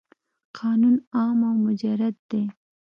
قانون عام او مجرد دی.